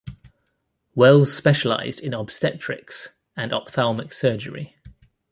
Wells specialized in obstetrics and ophthalmic surgery.